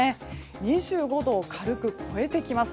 ２５度を軽く超えてきます。